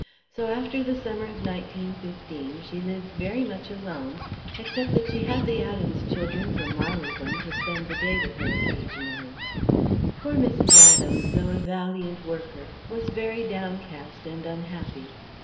So, after the summer of 1915, she lived very much alone, except that she had the Adams children from Marylebone to spend the day with her occasionally. Poor Mrs. Adams, though a valiant worker, was very downcast and unhappy.